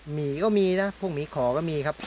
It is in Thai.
หมีก็มีนะพวกหมีขอก็มีครับ